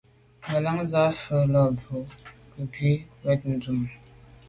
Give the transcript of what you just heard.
Ngelan ze mfùag ko là mbwôg nke ngù wut ben ndume.